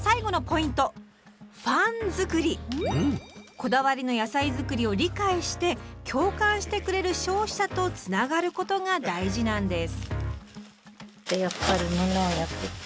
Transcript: こだわりの野菜作りを理解して共感してくれる消費者とつながることが大事なんです。